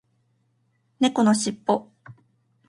猫のしっぽ